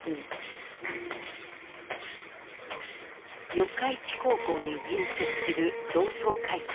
四日市高校に隣接する同窓会館。